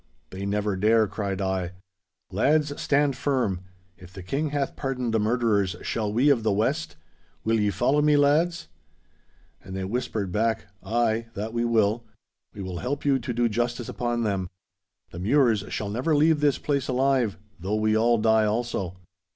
'They never dare!' cried I. 'Lads, stand firm. If the King hath pardoned the murderers, shall we of the West? Will ye follow me, lads?' And they whispered back, 'Ay, that we will. We will help you to do justice upon them. The Mures shall never leave this place alive, though we all die also.